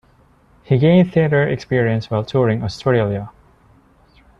He gained theatre experience while touring Australia.